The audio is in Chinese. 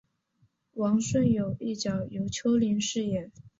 王顺友一角由邱林饰演。